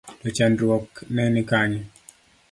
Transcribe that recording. To chandruok ne ni kanye?